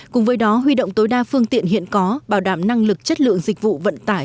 cùng với đó huy động tối đa phương tiện hiện có bảo đảm năng lực chất lượng dịch vụ vận tải